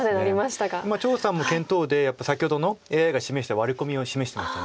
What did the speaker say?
張栩さんも検討でやっぱり先ほどのＡＩが示したワリコミを示してました。